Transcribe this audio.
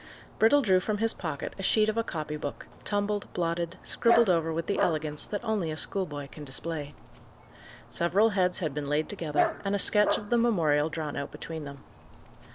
Brittle drew from his pocket a sheet of a copy book, tumbled, blotted, scribbled over with the elegance that only a schoolboy can display. Several heads had been laid together, and a sketch of the memorial drawn out between them.